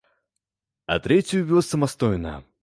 А трэцюю вёз самастойна.